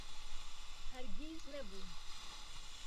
هەرگیز نەبوون.